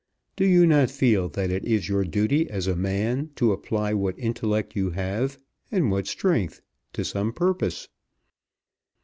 Do you not feel that it is your duty as a man to apply what intellect you have, and what strength, to some purpose?"